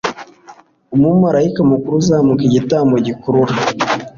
Umumarayika mukuru uzamuka igitambaro gikurura